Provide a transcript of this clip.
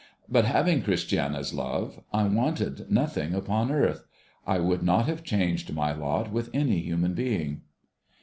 But, having Christiana's love, I wanted nothing upon earth. I would not have changed my lot with any human being.